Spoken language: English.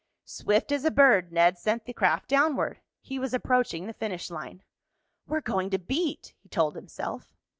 Swift as a bird Ned sent the craft downward. He was approaching the finish line. "We're going to beat!" he told himself.